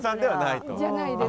じゃないです。